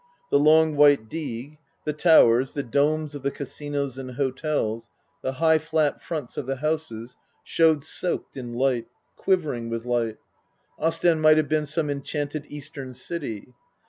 The long white Digue, the towers, the domes of the casinos and hotels, the high, flat fronts of the houses showed soaked in light, quivering with light. Ostend might have been some enchanted Eastern city.